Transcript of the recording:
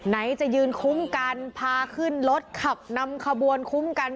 ไหนจะยืนคุ้มกันพาขึ้นรถขับนำขบวนคุ้มกัน